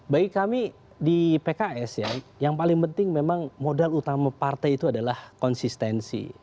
bagi kami di pks ya yang paling penting memang modal utama partai itu adalah konsistensi